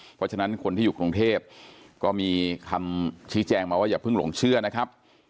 เพราะฉะนั้นคนที่อยู่กรุงเทพก็มีคำชี้แจงมาว่าอย่าเพิ่งหลงเชื่อนะครับ